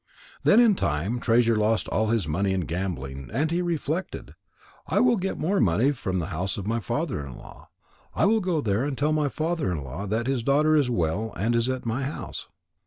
Then in time Treasure lost all his money in gambling, and he reflected: "I will get more money from the house of my father in law. I will go there and tell my father in law that his daughter is well and is at my house."